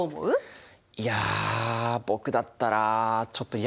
いや僕だったらちょっと嫌かな。